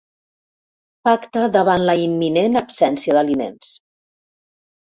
Pacta davant la imminent absència d'aliments.